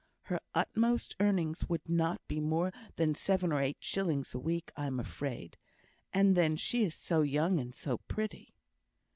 Her utmost earnings would not be more than seven or eight shillings a week, I'm afraid; and then she is so young and so pretty!"